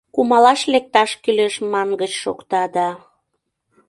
Кумалаш лекташ кӱлеш мангыч шокта да...